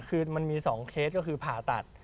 คือมันมี๒เคสก็คือผ่าตัด